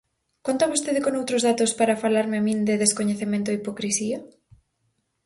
¿Conta vostede con outros datos para falarme a min de descoñecemento e hipocrisía?